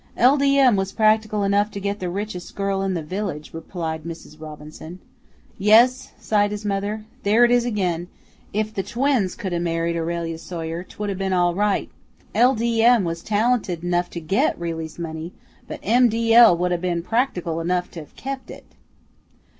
"L. D. M. was practical enough to get the richest girl in the village," replied Mrs. Robinson. "Yes," sighed his mother, "there it is again; if the twins could 'a' married Aurelia Sawyer, 't would 'a' been all right. L. D. M. was talented 'nough to GET Reely's money, but M. D. L. would 'a' ben practical 'nough to have KEP' it."